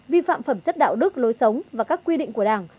vi phạm phẩm chất đạo đức lối sống và các quy định của đảng